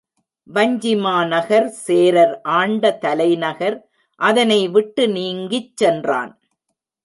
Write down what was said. வஞ்சி மாநகர் சேரர் ஆண்ட தலைநகர் அதனை விட்டு நீங்கிச் சென்றான்.